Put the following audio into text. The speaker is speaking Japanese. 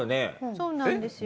そうなんですよ。